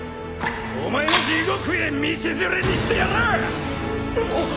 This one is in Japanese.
お前も地獄へ道連れにしてやる！